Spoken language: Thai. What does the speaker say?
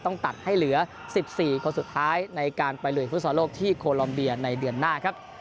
ต้องตัดให้เหลือ๑๔คนสุดท้ายในการไปลุยฟุตซอลโลกที่โคลอมเบียในเดือนหน้าครับ